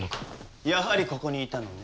やはりここにいたのね。